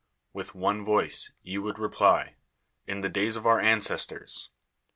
AVith one voice you would re ply, "In the days of our ancestors."